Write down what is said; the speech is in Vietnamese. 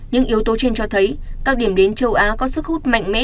những yếu tố trên cho thấy các điểm đến châu á có sức hút mạnh mẽ